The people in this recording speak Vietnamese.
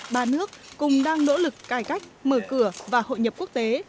ba nước cùng đang nỗ lực cải cách mở cửa và hội nhập quốc tế